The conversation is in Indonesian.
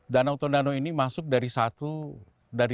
danau tondano ini masuk dari satu dari